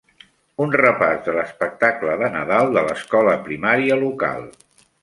Un repàs de l'espectacle de Nadal de l'escola primària local.